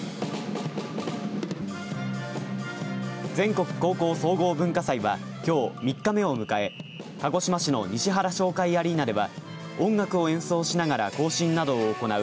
全国高校総合文化祭はきょう３日目を迎え鹿児島市の西原商会アリーナでは音楽を演奏しながら行進などを行う